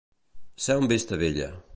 Ser de Vistabella.